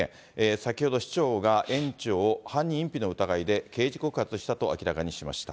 先ほど、市長が園長を犯人隠避の疑いで刑事告発したと明らかにしました。